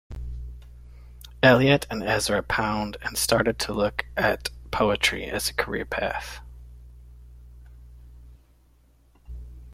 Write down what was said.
Eliot and Ezra Pound and started to look at poetry as a career path.